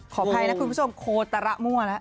ขออภัยนะคุณผู้ชมโคตระมั่วแล้ว